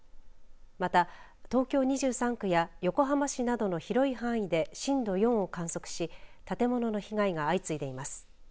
また、東京２３区や横浜市などの広い範囲で震度４を観測し建物の被害が相次いでいます。